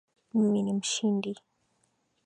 Mimi ni mshindi.